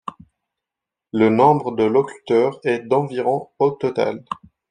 Le nombre de locuteurs est d'environ au total.